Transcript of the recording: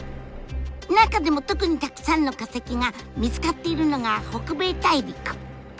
中でも特にたくさんの化石が見つかっているのが北米大陸。